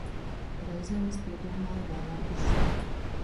Reizēm es piedomāju vārdus.